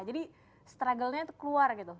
jadi struggle nya itu keluar gitu